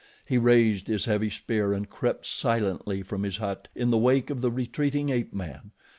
He raised his heavy spear and crept silently from his hut in the wake of the retreating ape man.